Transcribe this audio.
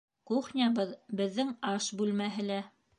Кухнябыҙ беҙҙең аш бүлмәһе лә